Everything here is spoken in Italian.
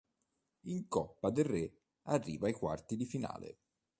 In Coppa del Re arriva ai quarti di finale.